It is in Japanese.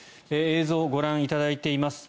映像をご覧いただいています。